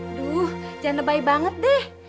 aduh jangan lebay banget deh